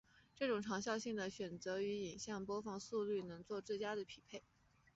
这种长效性的选择与影像播放速率能做最佳的匹配。